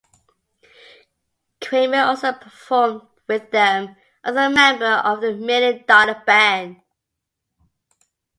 Cramer also performed with them as a member of the Million Dollar Band.